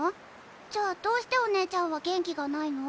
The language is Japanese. じゃあどうしておねえちゃんは元気がないの？